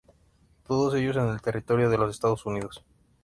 Todos ellos en el territorio de los Estados Unidos.